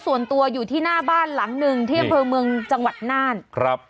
ส่วนตัวอยู่ที่หน้าบ้านหลังหนึ่งที่อำเภอเมืองจังหวัดน่านครับ